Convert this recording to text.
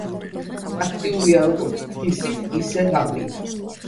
აქტიურია როგორც დღისით, ისე ღამით.